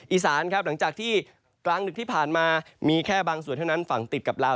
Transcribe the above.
อีสานครับหลังจากที่กลางดึกที่ผ่านมามีแค่บางส่วนเท่านั้นฝั่งติดกับลาว